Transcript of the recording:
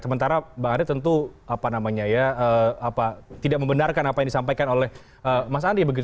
sementara bang andri tentu tidak membenarkan apa yang disampaikan oleh mas andi